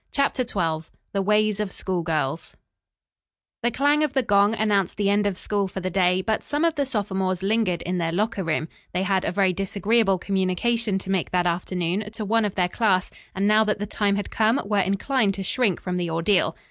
CHAPTER XII THE WAYS OF SCHOOLGIRLS The clang of the gong announced the end of school for the day, but some of the sophomores lingered in their locker room. They had a very disagreeable communication to make that afternoon, to one of their class, and now that the time had come were inclined to shrink from the ordeal.